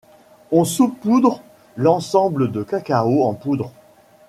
On saupoudre l'ensemble de cacao en poudre.